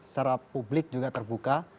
secara publik juga terbuka